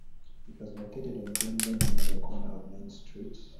It was located on Green Lane near the corner of Main Street.